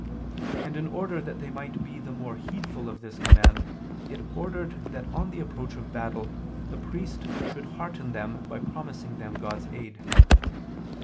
And in order that they might be the more heedful of this command, it ordered that on the approach of battle the priest should hearten them by promising them God's aid.